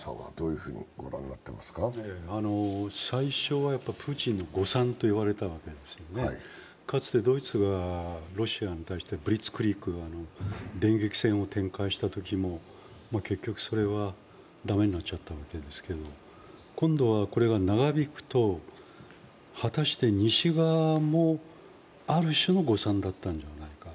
最初はプーチンの誤算といわれたので、かつてドイツがロシアに対してブリツクリーク、電撃戦を展開したときも、結局、それは駄目になっちゃったわけですけど、今度はこれが長引くと、果たして西側も、ある種の誤算だったんじゃないか。